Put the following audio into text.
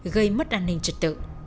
gây mất an ninh trật tự